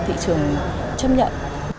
thị trường chấp nhận